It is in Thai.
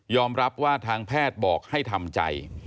รับว่าทางแพทย์บอกให้ทำใจ